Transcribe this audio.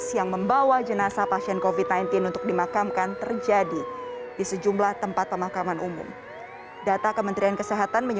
tingginya kasus positif covid sembilan belas juga membuat keteguhan